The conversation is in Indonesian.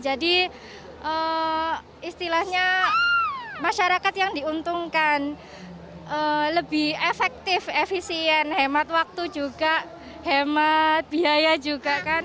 istilahnya masyarakat yang diuntungkan lebih efektif efisien hemat waktu juga hemat biaya juga kan